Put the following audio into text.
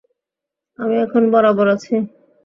আমি এখন বরাবর আছি।